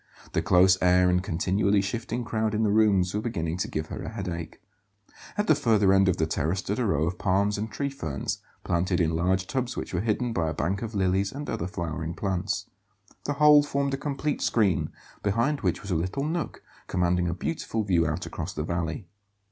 The close air and continually shifting crowd in the rooms were beginning to give her a headache. At the further end of the terrace stood a row of palms and tree ferns, planted in large tubs which were hidden by a bank of lilies and other flowering plants. The whole formed a complete screen, behind which was a little nook commanding a beautiful view out across the valley.